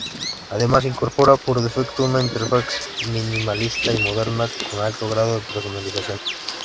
Además, incorpora por defecto una interfaz minimalista y moderna con alto grado de personalización.